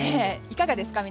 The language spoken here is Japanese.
いかがですか？